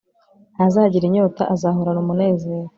ntazagira inyota, azahorana umunezero